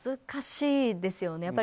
難しいですよね。